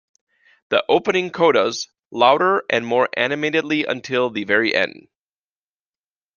The opening codas "louder and more animatedly until the very end".